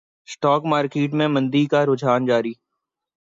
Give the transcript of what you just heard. stock market میں مندی کا رجحان جاری